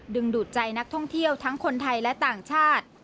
ดูดใจนักท่องเที่ยวทั้งคนไทยและต่างชาติ